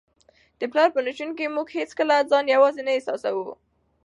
د پلار په شتون کي موږ هیڅکله ځان یوازې نه احساسوو.